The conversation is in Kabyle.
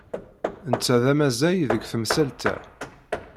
Netta d amazzay deg temsalt-a.